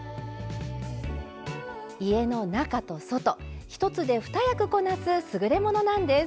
家の中と外１つで二役こなす優れものなんです。